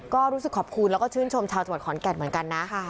ก็รู้สึกขอบคุณแล้วก็ชื่นชมชาวจังหวัดขอนแก่นเหมือนกันนะ